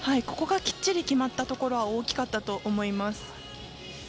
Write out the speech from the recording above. ここがきっちり決まったのは大きかったと思います。